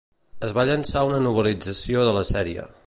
Es va llançar una novel·lització de la sèrie.